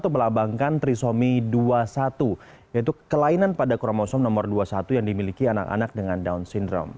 melabangkan trisomi dua puluh satu yaitu kelainan pada kromosom nomor dua puluh satu yang dimiliki anak anak dengan down syndrome